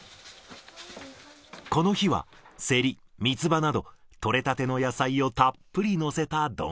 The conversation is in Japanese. この日はセリ、みつばなど、取れたての野菜をたっぷり載せた丼。